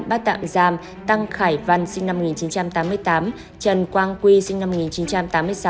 bắt tạm giam tăng khải văn sinh năm một nghìn chín trăm tám mươi tám trần quang quy sinh năm một nghìn chín trăm tám mươi sáu